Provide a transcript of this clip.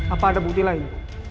apa ada bukti lain